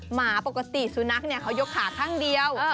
หมาปกติสุนัขเขายกขาข้างเดียว